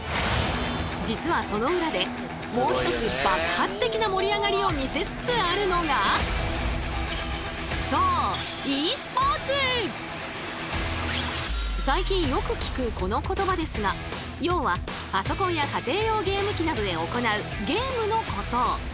実はその裏でもう一つ爆発的な盛り上がりを見せつつあるのがそう最近よく聞くこの言葉ですが要はパソコンや家庭用ゲーム機などで行うゲームのこと。